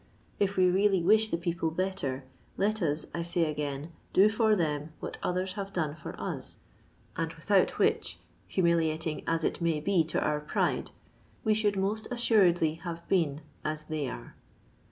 If we really wish the people better, let us, I say again, do for them what others have done for us, and without which (humiliating as it may be to our pride) we should most assuredly have been as they are.